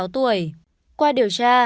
một mươi sáu tuổi qua điều tra